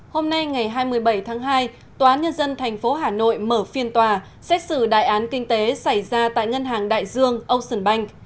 hôm nay ngày hai mươi bảy tháng hai tòa án nhân dân tp hà nội mở phiên tòa xét xử đại án kinh tế xảy ra tại ngân hàng đại dương ocean bank